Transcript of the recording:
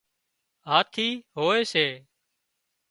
هاٿِي هوئي سي